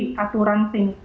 di aturan sini